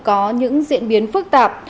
có những diễn biến phức tạp